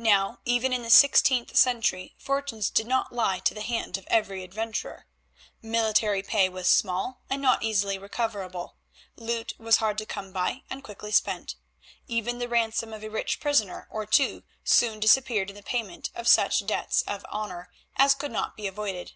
Now even in the sixteenth century fortunes did not lie to the hand of every adventurer. Military pay was small, and not easily recoverable; loot was hard to come by, and quickly spent. Even the ransom of a rich prisoner or two soon disappeared in the payment of such debts of honour as could not be avoided.